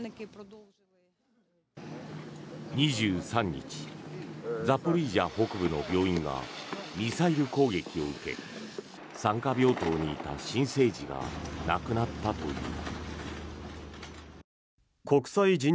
２３日ザポリージャ北部の病院がミサイル攻撃を受け産科病棟にいた新生児が亡くなったという。